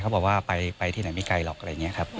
บอกว่าไปที่ไหนไม่ไกลหรอกอะไรอย่างนี้ครับ